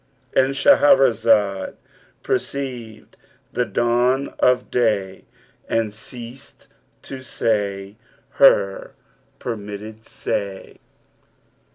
'—And Shahrazad perceived the dawn of day and ceased to say her permitted say.